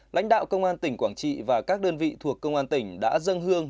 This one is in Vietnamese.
lãnh đạo công an tỉnh quảng trị và các đơn vị thuộc công an tỉnh đã dâng hương